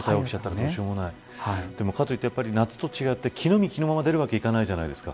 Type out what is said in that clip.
かといって夏と違って着の身着のまま出るわけにいかないじゃないですか。